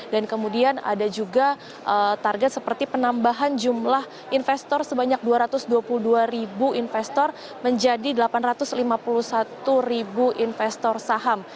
dan kemudian ada juga target seperti penambahan jumlah investor sebanyak dua ratus dua puluh dua ribu investor menjadi delapan ratus lima puluh satu ribu investor saham